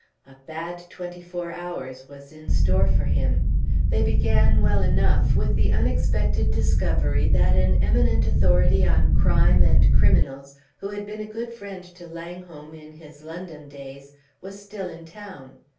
A bad twenty four hours was in store for him. They began well enough with the unexpected discovery that an eminent authority on crime and criminals, who had been a good friend to Langholm in his London days, was still in town.